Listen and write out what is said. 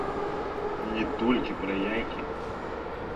Не толькі пра яйкі.